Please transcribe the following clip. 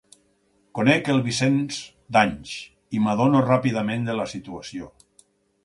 Conec el Vicenç d'anys i m'adono ràpidament de la situació.